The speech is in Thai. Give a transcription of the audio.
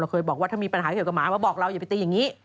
เคยบอกว่าถ้ามีปัญหาเกี่ยวกับหมามาบอกเราอย่าไปตีอย่างนี้